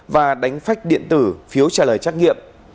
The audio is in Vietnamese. và đánh phách điện tử phiếu trả lời trắc nghiệm